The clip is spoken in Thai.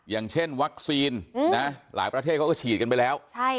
อย่างเช่นวัคซีนหลายประเทศเขาก็ฉีดกันไปแล้ว